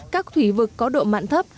các thủy vực có độ mạn thấp